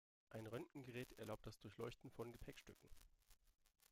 Ein Röntgengerät erlaubt das Durchleuchten von Gepäckstücken.